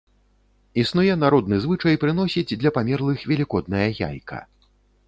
Існуе народны звычай прыносіць для памерлых велікоднае яйка.